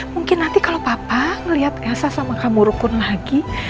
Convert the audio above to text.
mungkin nanti kalau papa melihat kasa sama kamu rukun lagi